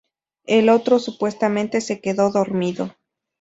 El otro supuestamente se quedó dormido.